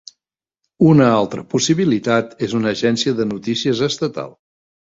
Una altra possibilitat és una agència de notícies estatal.